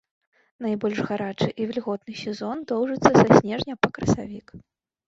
Найбольш гарачы і вільготны сезон доўжыцца са снежня па красавік.